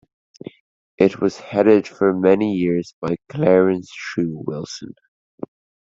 It was headed for many years by Clarence True Wilson.